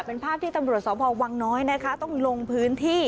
เป็นภาพที่ตำรวจสพวังน้อยนะคะต้องลงพื้นที่